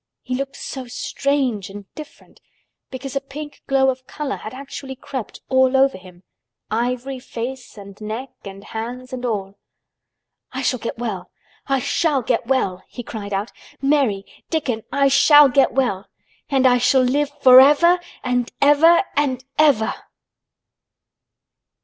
He looked so strange and different because a pink glow of color had actually crept all over him—ivory face and neck and hands and all. "I shall get well! I shall get well!" he cried out. "Mary! Dickon! I shall get well! And I shall live forever and ever and ever!"